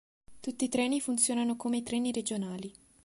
Tutti i treni funzionano come i treni regionali.